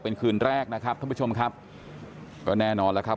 เป็นคืนแรกนะครับท่านผู้ชมครับก็แน่นอนแล้วครับ